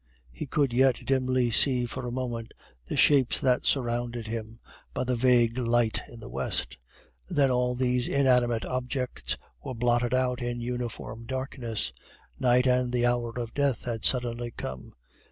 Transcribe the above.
He could yet dimly see for a moment the shapes that surrounded him, by the vague light in the west; then all these inanimate objects were blotted out in uniform darkness. Night and the hour of death had suddenly come.